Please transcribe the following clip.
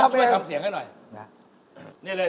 ข้าวใช้ทำเสียงให้หน่อย